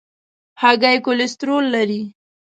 هګۍ کولیسټرول لري.